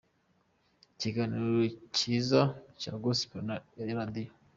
Ikiganiro cyiza cya Gospel cya Radio.